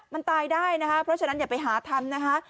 มันตายได้นะคะเพราะฉะนั้นอย่าไปหาทำนะคะ